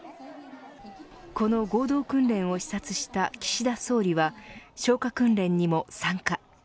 この合同訓練を視察した岸田総理は消火訓練にも参加。